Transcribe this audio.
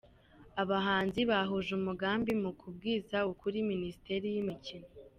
Abahanzi bahuje umugambi mu kubwiza ukuri minisiteri yimikino